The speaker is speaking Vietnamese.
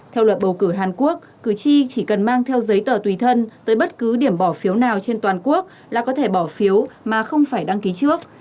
theo luật bầu cử hàn quốc cử tri chỉ cần mang theo giấy tờ tùy thân tới bất cứ điểm bỏ phiếu nào trên toàn quốc là có thể bỏ phiếu mà không phải đăng ký trước